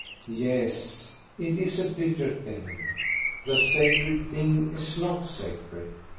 Yes, it is a bitter thing. The sacred thing is not sacred.